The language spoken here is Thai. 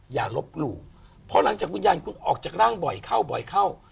อย่าลบหลู่เพราะหลังจากวิญญาณคุณออกจากร่างบ่อยเข้าบ่อยเข้า